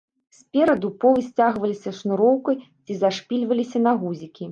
Спераду полы сцягваліся шнуроўкай ці зашпільваліся на гузікі.